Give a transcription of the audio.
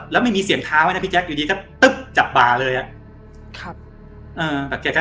แล้วไม่มีเสียงท้าไว้นะพี่แจ๊คอยู่ดีก็ตึ๊บจับบ่าเลยอ่ะครับ